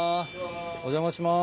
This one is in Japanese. お邪魔します。